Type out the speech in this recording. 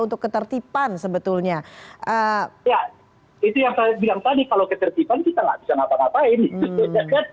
kalau ketertiban kita tidak bisa ngapa ngapain